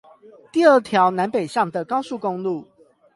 第二條南北向的高速公路